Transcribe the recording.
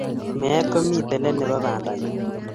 Meet komitei let nebo bandanyo.